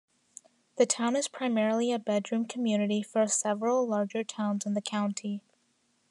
The town is primarily a bedroom community for several larger towns in the county.